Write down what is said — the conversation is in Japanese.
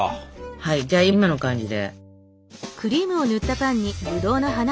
はいじゃあ今の感じで。